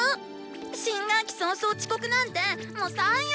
「新学期早々遅刻なんてもう最悪！」。